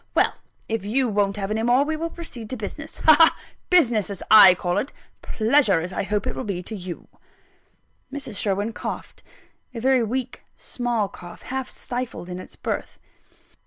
Well, if you won't have any more, we will proceed to business. Ha! ha! business as I call it; pleasure I hope it will be to you." Mrs. Sherwin coughed a very weak, small cough, half stifled in its birth.